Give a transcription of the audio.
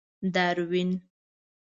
داروېن.